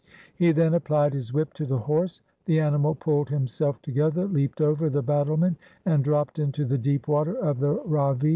He then applied his whip to the horse. The animal pulled himself together, leaped over the battlement, and dropped into the deep water of the Ravi.